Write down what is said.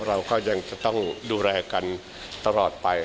เราก็ยังจะต้องดูแลกันตลอดไป